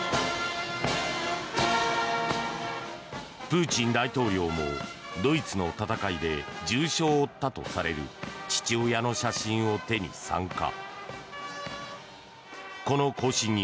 プーチン大統領もドイツの戦いで重傷を負ったとされる父親の写真を手に参加。